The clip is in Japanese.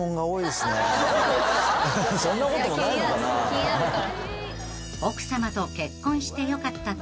気になるから。